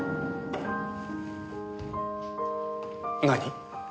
何？